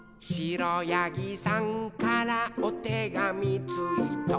「くろやぎさんからおてがみついた」